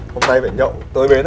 hôm nay phải nhậu tới bến anh ạ